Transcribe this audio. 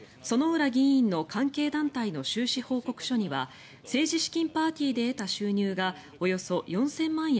薗浦議員の関係団体の収支報告書には政治資金パーティーで得た収入がおよそ４０００万円